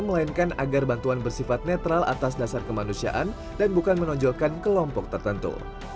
melainkan agar bantuan bersifat netral atas dasar kemanusiaan dan bukan menonjolkan kelompok tertentu